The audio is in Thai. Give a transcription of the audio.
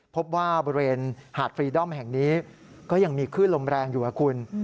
พบว่าบริเวณหาดฟรีดอมแห่งนี้ก็ยังมีคลื่นลมแรงอยู่ครับคุณ